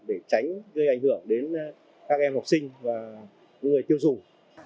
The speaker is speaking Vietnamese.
để tránh gây ảnh hưởng đến các em học sinh và người tiêu dùng